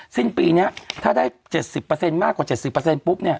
สิ้นปีเนี้ยถ้าได้เจ็ดสิบเปอร์เซ็นต์มากกว่าเจ็ดสิบเปอร์เซ็นต์ปุ๊บเนี้ย